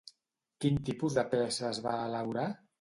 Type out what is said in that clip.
Quin tipus de peces va elaborar?